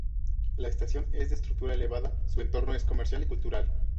La estación es de estructura elevada, su entorno es comercial y cultural.